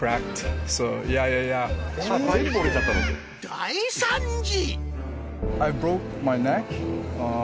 大惨事！